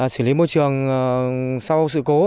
xử lý môi trường sau sự cố